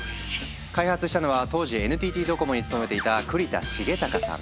開発したのは当時ＮＴＴドコモに勤めていた栗田穣崇さん。